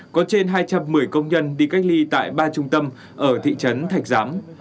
hai trăm một mươi công nhân đi cách ly tại ba trung tâm ở thị trấn thạch giám